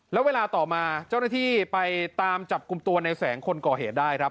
แล้วเวลาต่อมาเจ้าหน้าที่ไปตามจับกลุ่มตัวในแสงคนก่อเหตุได้ครับ